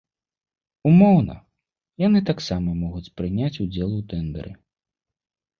Умоўна, яны таксама могуць прыняць удзел у тэндэры.